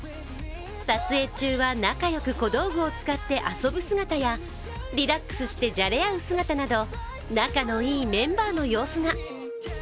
撮影中は、仲良く小道具を使って遊ぶ姿やリラックスしてじゃれ合う姿など仲の良いメンバーの様子が。